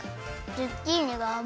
ズッキーニがあまい。